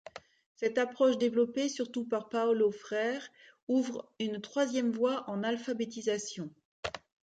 Cette approche développée surtout par Paolo Freire, ouvre une troisième voie en alphabétisation.